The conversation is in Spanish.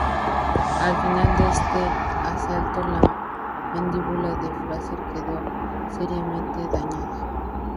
Al final de este asalto, la mandíbula de Frazier quedó seriamente dañada.